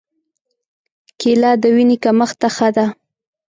کېله د وینې کمښت ته ښه ده.